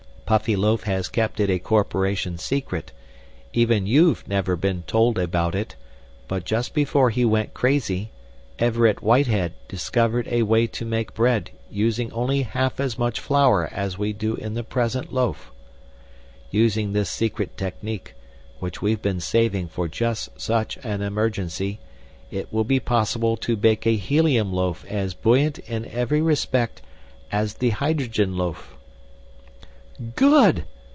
"Puffyloaf has kept it a corporation secret even you've never been told about it but just before he went crazy, Everett Whitehead discovered a way to make bread using only half as much flour as we do in the present loaf. Using this secret technique, which we've been saving for just such an emergency, it will be possible to bake a helium loaf as buoyant in every respect as the hydrogen loaf." "Good!"